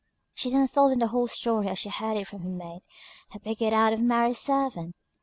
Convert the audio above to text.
She then told them the whole story as she heard it from her maid, who picked it out of Mary's servant.